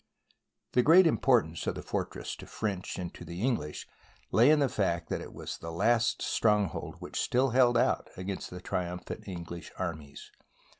The great importance of the fortress to French and to English lay in the fact that it was the last stronghold which still held out against the triumph ant English armies.